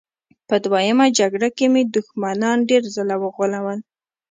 په دویمه جګړه کې مې دښمنان ډېر ځله وغولول